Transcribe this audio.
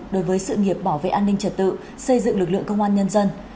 đối với sự nghiệp bảo vệ an ninh trật tự xây dựng lực lượng công an nhân dân